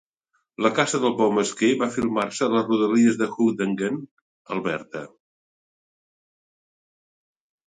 La caça del bou mesquer va filmar-se a les rodalies de Hughenden, Alberta.